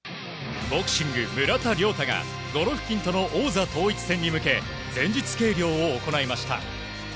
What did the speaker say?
ボクシング、村田諒太がゴロフキンとの王座統一戦に向け前日計量を行いました。